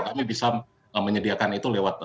kami bisa menyediakan itu lewat